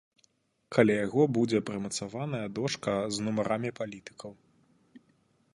Каля яго будзе прымацаваная дошка з нумарамі палітыкаў.